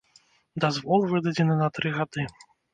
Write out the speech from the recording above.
Дазвол выдадзены на тры гады.